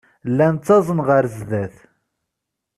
Llan ttaẓen ɣer sdat.